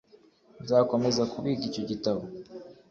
nzakomeza kubika icyo gitabo